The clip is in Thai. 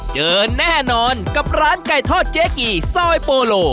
เจอแน่นอนกับร้านไก่ทอดเจ๊กีซอยโปโล